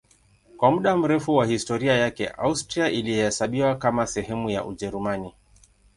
Kwa muda mrefu wa historia yake Austria ilihesabiwa kama sehemu ya Ujerumani.